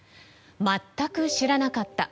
全く知らなかった。